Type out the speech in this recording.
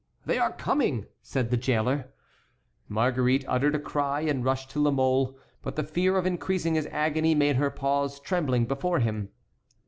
"They are coming!" said the jailer. Marguerite uttered a cry, and rushed to La Mole, but the fear of increasing his agony made her pause trembling before him.